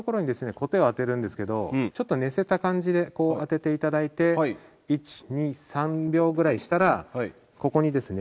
こてを当てるんですけどちょっと寝せた感じでこう当てて頂いて１２３秒ぐらいしたらここにですね